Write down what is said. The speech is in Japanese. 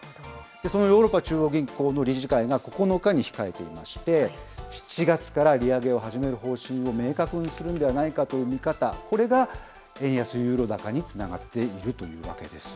そのヨーロッパ中央銀行の理事会が９日に控えていまして、７月から利上げを始める方針を明確にするんではないかという見方、これが円安ユーロ高につながっているというわけです。